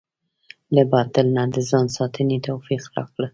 له باطل نه د ځان ساتنې توفيق راکړه.